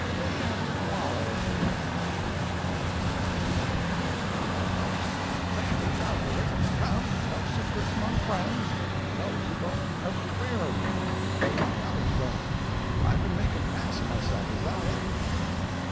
"Day after to morrow," says I. He winked at me, and smiled. Says I,— "Sandy, out with it. Come—no secrets among friends. I notice you don't ever wear wings—and plenty others don't. I've been making an ass of myself—is that it?"